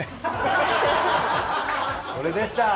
これです。